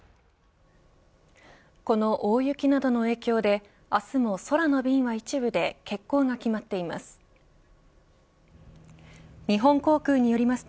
この大雪などの影響で明日も空の便は一部で欠航が決まっています。